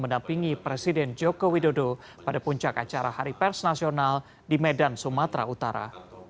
mendampingi presiden joko widodo pada puncak acara hari pers nasional di medan sumatera utara